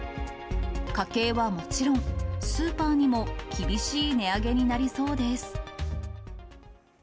家計はもちろん、スーパーにも厳しい値上げになりそうです。